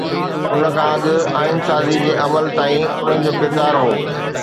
ان کان اڳ آئين سازي جي عمل تائين انهن جو ڪردار هو.